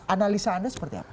analisa anda seperti apa